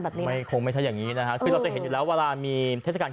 แบบนี้นะไม่คงไม่ใช่อย่างงี้นะฮะอืมคือเราจะเห็นแต่ละเวลามีเวรสการ